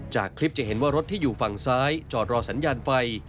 จากคลิปจะเห็นว่ารถที่อยู่ฝั่งซ้ายจอดรอสัญญาณไฟ